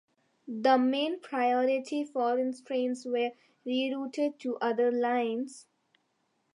The main priority freight trains were rerouted to other lines.